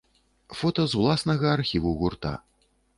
Фота з ўласнага архіву гурта.